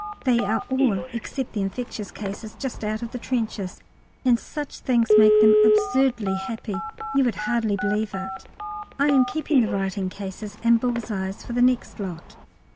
They are all, except the infectious cases, just out of the trenches, and such things make them absurdly happy; you would hardly believe it. I am keeping the writing cases and bull's eyes for the next lot.